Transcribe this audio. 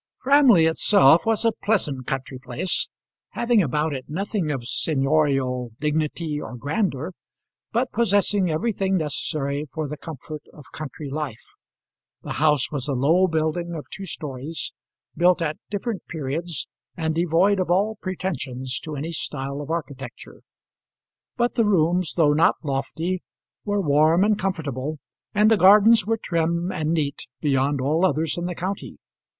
Framley itself was a pleasant country place, having about it nothing of seignorial dignity or grandeur, but possessing everything necessary for the comfort of country life. The house was a low building of two stories, built at different periods, and devoid of all pretensions to any style of architecture; but the rooms, though not lofty, were warm and comfortable, and the gardens were trim and neat beyond all others in the county.